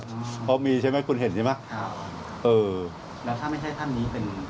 เพราะมีใช่ไหมคุณเห็นใช่ไหมครับเออแล้วถ้าไม่ใช่ท่านนี้เป็น